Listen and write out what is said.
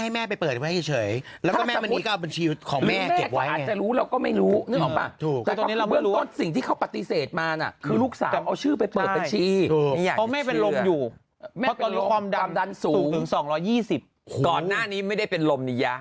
แม่เป็นความดันสูงสูงถึงสองร้อยยี่สิบหูก่อนหน้านี้ไม่ได้เป็นลมนี่ยะ